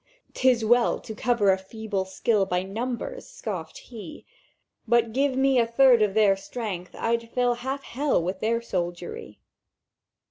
"''Tis well to cover a feeble skill By numbers!' scoffèd He; 'But give me a third of their strength, I'd fill Half Hell with their soldiery!